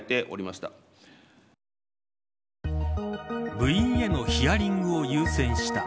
部員へのヒアリングを優先した。